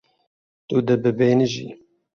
Tu dê bibêhnijî.